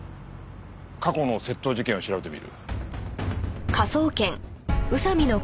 過去の窃盗事件を調べてみる。